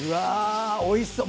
おいしそう。